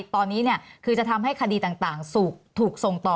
ตอนนี้คือจะทำให้คดีต่างถูกส่งต่อ